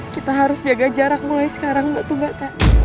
kita harus jaga jarak mulai sekarang gak tuh mbak t